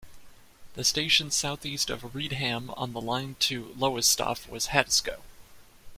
The station south-east of Reedham on the line to Lowestoft was Haddiscoe.